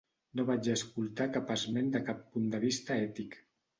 No vaig escoltar cap esment de cap punt de vista ètic.